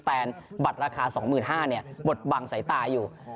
แสนบัตรราคาสองหมื่นห้าเนี่ยบดบังใส่ตาอยู่